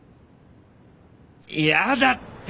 嫌だって。